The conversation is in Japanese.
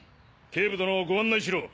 警部殿をご案内しろ。